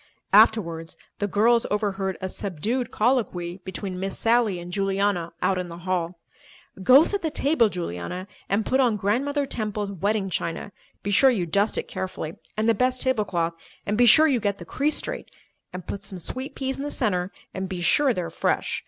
Afterwards, the girls overheard a subdued colloquy between Miss Sally and Juliana out in the hall. "Go set the table, Juliana, and put on Grandmother Temple's wedding china—be sure you dust it carefully—and the best tablecloth—and be sure you get the crease straight—and put some sweet peas in the centre—and be sure they are fresh.